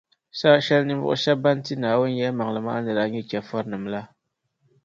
Saha shεli ninvuɣu shεba ban ti Naawuni yεlimaŋli maa ni daa nya chɛfurinim’ la